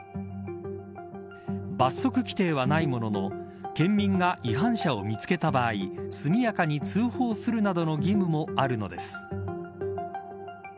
罰則規定はないものの県民が違反者を見つけた場合速やかに通報するなどの義務もあるのです。